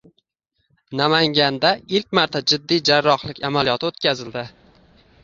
Namanganda ilk marta jiddiy jarrohlik amaliyoti o‘tkazildi